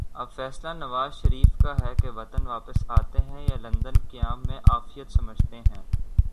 اب فیصلہ نوازشریف کا ہے کہ وطن واپس آتے ہیں یا لندن قیام میں عافیت سمجھتے ہیں۔